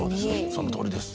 そのとおりです。